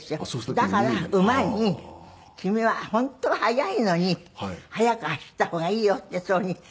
だから馬に君は本当は速いのに速く走った方がいいよってそういうふうに。